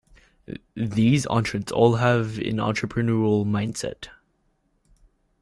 These entrants all have an entrepreneurial mindset.